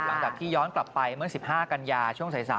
หลังจากที่ย้อนกลับไปเมื่อ๑๕กันยาช่วงสาย